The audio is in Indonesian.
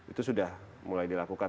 itu sudah mulai dilakukan